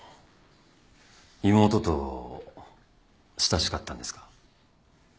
妹と親しかったんですか？